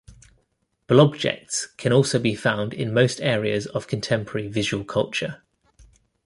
Blobjects can also be found in most areas of contemporary visual culture.